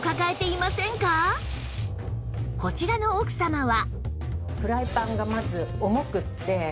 こちらの奥様は